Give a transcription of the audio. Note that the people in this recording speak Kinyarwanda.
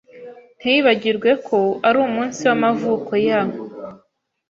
Ntiwibagirwe ko ari umunsi w'amavuko ya .